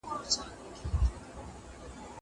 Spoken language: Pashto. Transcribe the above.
شين آسمان داسي ځلېږي